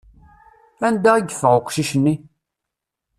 Anda i yeffeɣ weqcic-nni?